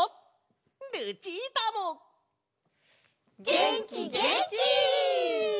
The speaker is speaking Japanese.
げんきげんき！